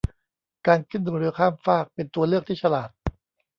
การขึ้นเรือข้ามฟากเป็นตัวเลือกที่ฉลาด